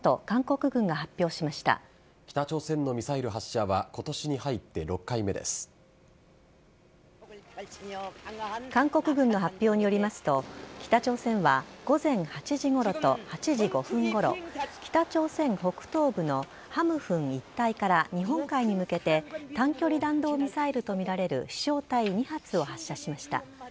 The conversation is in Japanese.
韓国軍の発表によりますと北朝鮮は午前８時ごろと８時５分ごろ北朝鮮北東部のハムフン一帯から日本海に向けて短距離弾道ミサイルとみられる飛翔体２発を発射しました。